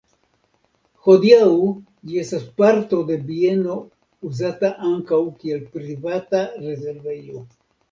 Hodiaŭ ĝi estas parto de bieno uzata ankaŭ kiel privata rezervejo.